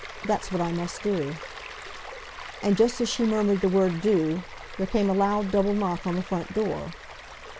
That's what I must do." And just as she murmured the word "do," there came a loud double knock on the front door.